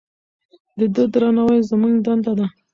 د ده درناوی زموږ دنده ده.